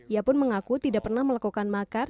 ia pun mengaku tidak pernah melakukan makar